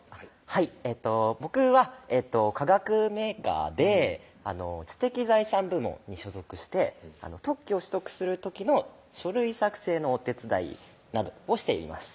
はい僕は化学メーカーで知的財産部門に所属して特許を取得する時の書類作成のお手伝いなどをしています